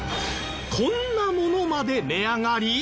こんなものまで値上がり！？